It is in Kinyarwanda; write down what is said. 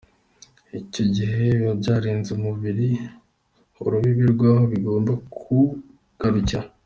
Icyo gihe biba byarenze urubibi rw’aho bigomba kugarukira.